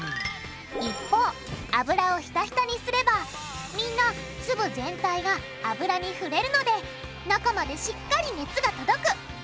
一方油をひたひたにすればみんな粒全体が油に触れるので中までしっかり熱が届く。